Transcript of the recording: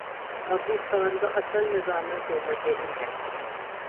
پاکستان کا اصل نظام حکومت یہی ہے۔